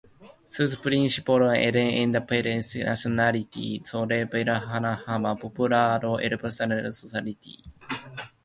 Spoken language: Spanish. Sus principios eran "independencia nacional, soberanía popular, emancipación social y proceso democrático.